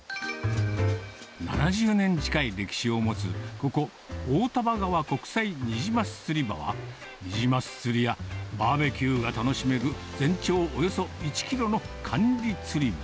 ７０年近い歴史を持つ、ここ、大丹波川国際虹ます釣場は、ニジマス釣りや、バーベキューが楽しめる全長およそ１キロの管理釣り場。